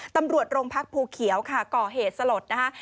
ตำรวจโรงพักภูเขียวค่ะก่อเหตุสลดนะคะ